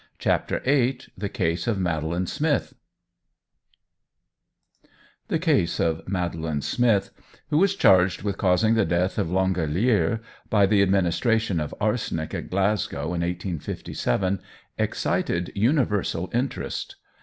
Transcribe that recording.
CHAPTER VIII THE CASE OF MADELINE SMITH THE case of Madeline Smith, who was charged with causing the death of L'Angelier by the administration of arsenic at Glasgow, in 1857, excited universal interest.